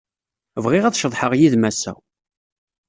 Bɣiɣ ad ceḍḥeɣ yid-m ass-a.